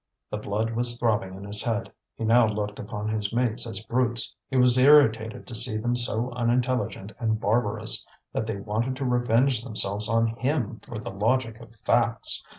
The blood was throbbing in his head, he now looked upon his mates as brutes, he was irritated to see them so unintelligent and barbarous that they wanted to revenge themselves on him for the logic of facts.